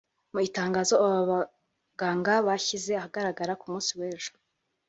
Mu itangazo aba baganga bashyize ahagaragara ku munsi w’ejo